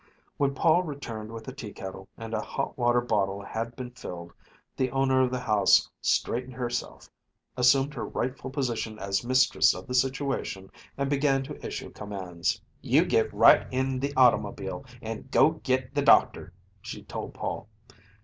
When Paul returned with the tea kettle, and a hot water bottle had been filled, the owner of the house straightened herself, assumed her rightful position as mistress of the situation, and began to issue commands. "You git right in the automobile, and go git the doctor," she told Paul.